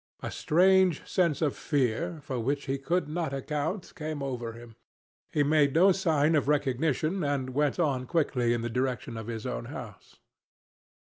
A strange sense of fear, for which he could not account, came over him. He made no sign of recognition and went on quickly in the direction of his own house.